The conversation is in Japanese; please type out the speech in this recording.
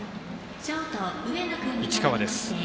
市川です。